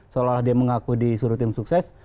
seolah olah dia mengaku disuruh tim sukses